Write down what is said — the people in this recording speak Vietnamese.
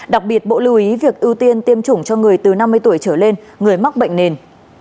đặc biệt bộ lưu ý việc ưu tiên tiêm chủng cho người từ năm mươi tuổi trở lên người mắc bệnh nền